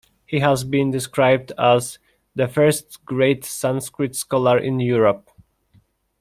He has been described as "the first great Sanskrit scholar in Europe".